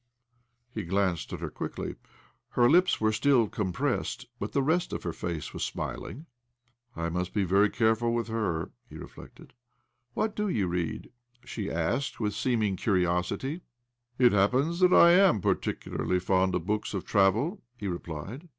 He glanced at her quickly. Her lips were still compressed, but the rest of her face was smiling. OBLOMOV 169 ' 1 must be very careful with her," he reflected. ' What do you read?" ishe asked with seeming curiosity. "It happens that I am particularly fond of books of travel," he replied.